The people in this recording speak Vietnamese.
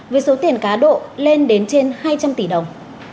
với số tiền cá độ lên đến trên hai trăm linh tỷ đồng